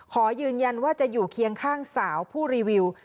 ขอยืนยันว่าจะอยู่เคียงข้างสาวผู้รีวิว